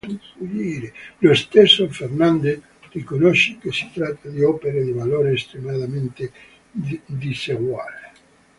Lo stesso Fernandez riconosce che si tratta di opere di valore estremamente diseguale.